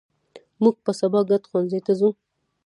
مونږ به سبا ګډ ښوونځي ته ځو